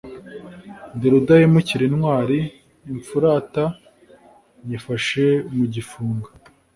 Ndi rudahemukira intwali, imfuruta nyifashe mu gifunga